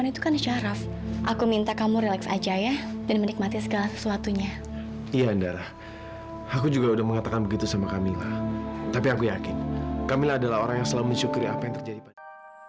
tapi aku yakin kamila adalah orang yang selalu mensyukuri apa yang terjadi pada dia